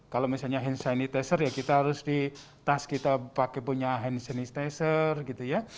kalau misalnya hand sanitizer ya kita harus di tas kita pakai punya hand sanitizer gitu ya